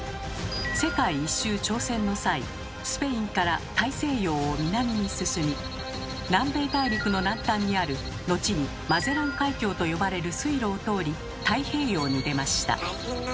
世界一周挑戦の際スペインから大西洋を南に進み南米大陸の南端にある後に「マゼラン海峡」と呼ばれる水路を通り「太平洋」に出ました。